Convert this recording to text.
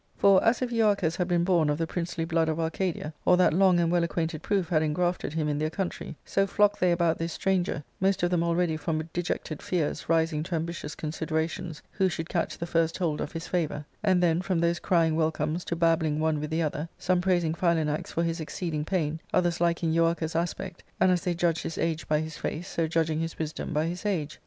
For, as if Euarchus had been born of the princely blood of Arcadia, or that long and well acquainted proof had ingrafteid him in their country, so flocked they about this stranger, most of them already from dejected fears rising to ambitious considerations, who should catch the first hold of his favour ; and then from those crying welcomes to babbling one with the other, some praising Philanax for his exceeding pain, others liking Euarchus' aspect, and as they judged his age by his face, so judging his wisdom by his age.